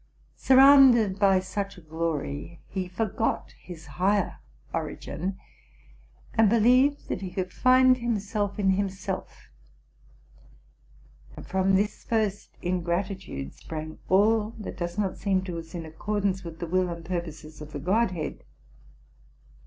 Surrounded by such a glory, he forgot his higher origin, and believed that he could find himself in him self ; and from this first ingratitude sprang all that does not seem to us in accordance with the will and purposes of the Godhead.